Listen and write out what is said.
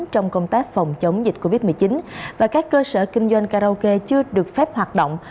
trong công tác phòng chống dịch covid một mươi chín và các cơ sở kinh doanh karaoke chưa được phép hoạt động